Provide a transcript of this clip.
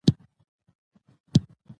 غرونه د افغانستان د پوهنې نصاب کې شامل دي.